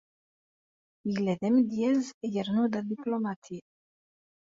Yella d amedyaz yernu d adiplumati.